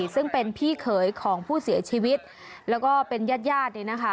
ซึ่งเป็นพี่เขยของผู้เสียชีวิตแล้วก็เป็นญาติญาติเนี่ยนะคะ